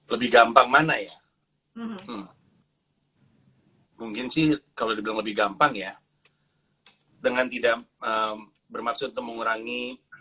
lebih gampang mana ya mungkin sih kalau dibilang lebih gampang ya dengan tidak bermaksud untuk mengurangi